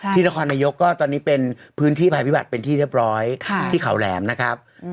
นครนายกก็ตอนนี้เป็นพื้นที่ภัยพิบัติเป็นที่เรียบร้อยที่เขาแหลมนะครับ